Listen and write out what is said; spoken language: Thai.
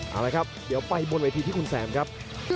เอาละครับเดี๋ยวไปบนเวทีที่คุณแซมครับ